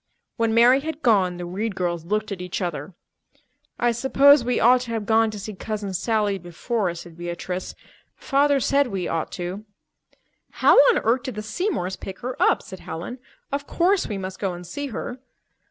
When Mary had gone, the Reed girls looked at each other. "I suppose we ought to have gone to see Cousin Sally before," said Beatrice. "Father said we ought to." "How on earth did the Seymours pick her up?" said Helen. "Of course we must go and see her."